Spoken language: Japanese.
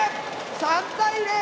３対０！